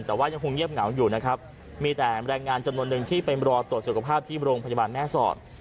แต่ว่ายังคงเงียบเหงาอยู่นะครับมีแต่แรงงานจำนวนหนึ่งที่ไปรอตรวจสุขภาพที่โรงพยาบาลแม่สอด